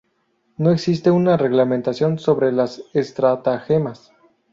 No existe una reglamentación sobre las estratagemas.